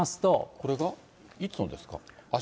これがいつのですか？